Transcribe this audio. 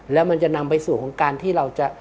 แล้วมันจะนำไปสู่ของการที่เราจะ